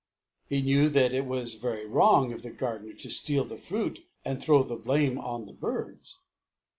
He knew that it was very wrong of the gardener to steal the fruit and throw the blame on the birds.